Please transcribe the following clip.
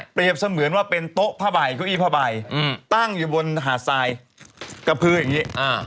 เสมือนว่าเป็นโต๊ะผ้าใบเก้าอี้ผ้าใบตั้งอยู่บนหาดทรายกระพืออย่างนี้